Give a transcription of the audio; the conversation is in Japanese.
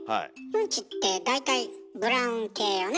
うんちって大体ブラウン系よね。